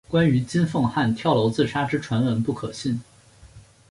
关于金凤汉跳楼自杀之传闻不可信。